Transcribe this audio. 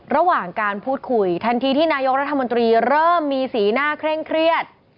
ระหว่างการพูดคุยทันทีที่นายกรัฐมนตรีเริ่มมีสีหน้าเคร่งเครียด